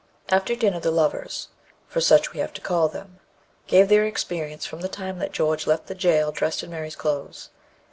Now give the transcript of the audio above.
After dinner the lovers (for such we have to call them) gave their experience from the time that George left the jail dressed in Mary's clothes.